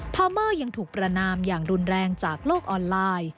พอเมอร์ยังถูกประนามอย่างรุนแรงจากโลกออนไลน์